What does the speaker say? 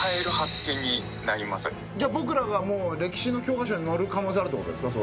じゃあ僕らが歴史の教科書に載る可能性あるってことですか？